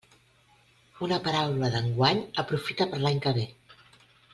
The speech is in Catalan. Una paraula d'enguany aprofita per a l'any que ve.